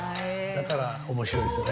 だから面白いですね。